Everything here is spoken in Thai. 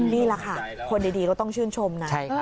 นี่แหละค่ะคนดีก็ต้องชื่นชมนะ